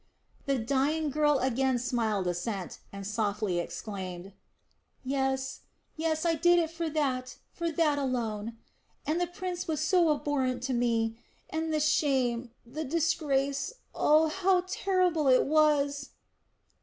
The dying girl again smiled assent and softly exclaimed: "Yes, yes, I did it for that, for that alone. And the prince was so abhorrent to me. And the shame, the disgrace oh, how terrible it was!"